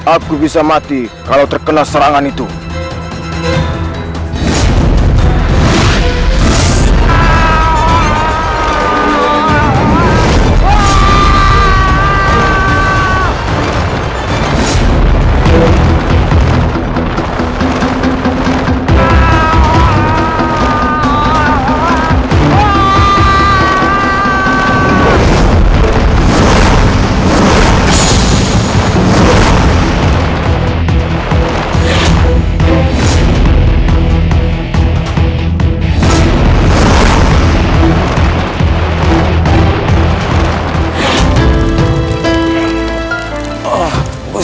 aku bisa mati kalau terkena serangan itu